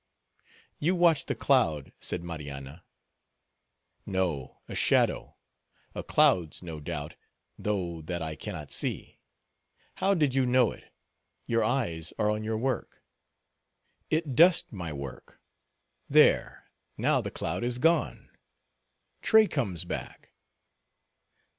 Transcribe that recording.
"You watch the cloud," said Marianna. "No, a shadow; a cloud's, no doubt—though that I cannot see. How did you know it? Your eyes are on your work." "It dusked my work. There, now the cloud is gone, Tray comes back."